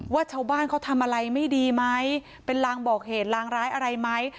ว่าชาวบ้านเขาทำอะไรไม่ดีไหมเป็นลางบอกเหตุลางร้ายอะไรไหม